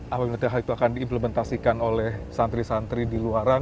apa yang kita tahu itu akan diimplementasikan oleh santri santri di luaran